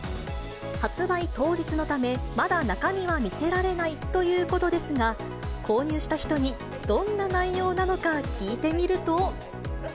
発売当日のため、まだ中身は見せられないということですが、購入した人に、どんな内容なのか聞いてみると。